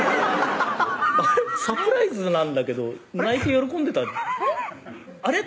サプライズなんだけど泣いて喜んでたあれ？